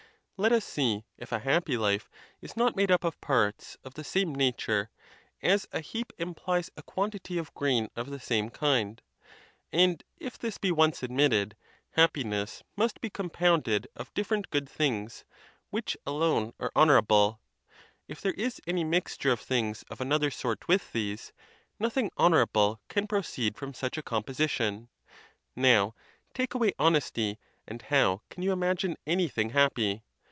Let us see if a happy life is not made up of parts of the same nature, as a heap implies a quan tity of grain of the same kind. And if this be once ad mitted, happiness must be compounded of different good things, which alone are honorable; if there is any mixture of things of another sort with these, nothing honorable can proceed from such a composition: now, take away hones ty, and how can you imagine anything happy?